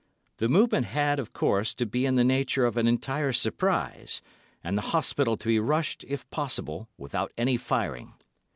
The movement had, of course, to be in the nature of an entire surprise, and the hospital to be rushed, if possible, without any firing.